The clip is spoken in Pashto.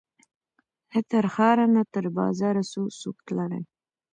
نه تر ښار نه تر بازاره سو څوک تللای